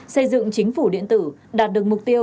xây dựng chính phủ điện tử đạt được mục tiêu